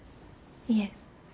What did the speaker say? いえ。